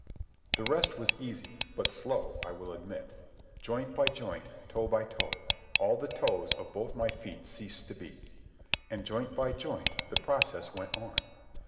The rest was easy, but slow, I will admit. Joint by joint, toe by toe, all the toes of both my feet ceased to be. And joint by joint, the process went on.